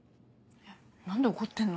何で怒ってんの？